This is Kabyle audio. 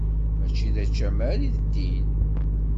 Mačči d ačamar i d ddin.